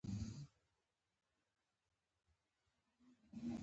د اوړي موسم کي ننګرهار ډير ګرم وي